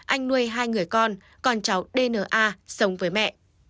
anh nuôi hai người con còn cháu dna sống với mẹ